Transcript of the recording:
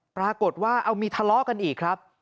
ปรากฏว่าเอามีทะเลาะกันอีกครับ